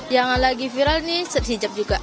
yang lagi viral nih set hijab juga